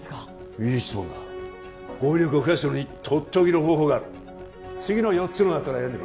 いい質問だ語彙力を増やすのにとっておきの方法がある次の４つの中から選んでみろ４択問題だ